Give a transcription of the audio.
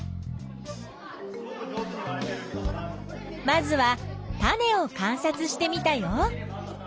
まずは種を観察してみたよ。